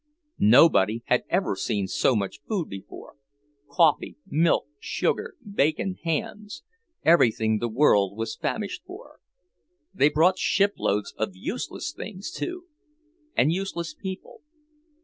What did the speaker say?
Nobody had ever seen so much food before; coffee, milk, sugar, bacon, hams; everything the world was famished for. They brought shiploads of useless things, too. And useless people.